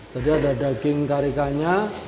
jadi ada daging karikanya